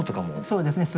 そうですね。